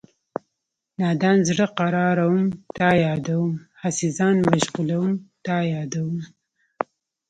نادان زړه قراروم تا یادوم هسې ځان مشغولوم تا یادوم